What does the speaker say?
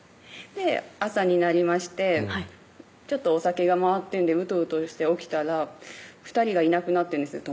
で朝になりましてちょっとお酒が回ってるんでうとうとして起きたら２人がいなくなってんですよ